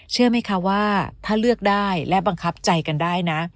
เชื่อไหมคะว่าถ้าเลือกได้และบังคับใจกันได้นะ